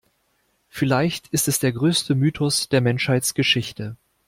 Vielleicht ist es der größte Mythos der Menschheitsgeschichte.